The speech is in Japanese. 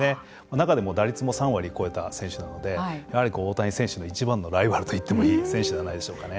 中でも打率も３割超えた選手なのでやはり大谷選手のいちばんのライバルといってもいい選手じゃないでしょうかね。